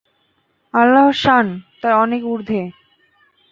আল্লাহর শান তার অনেক উর্ধ্বে।